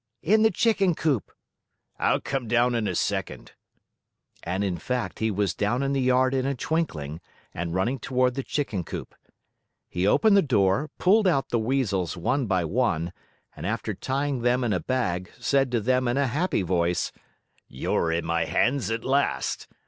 "In the chicken coop." "I'll come down in a second." And, in fact, he was down in the yard in a twinkling and running toward the chicken coop. He opened the door, pulled out the Weasels one by one, and, after tying them in a bag, said to them in a happy voice: "You're in my hands at last!